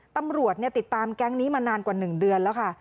ตำรวจติดตามแก๊งนี้มานานกว่า๑เดือนแล้วค่ะ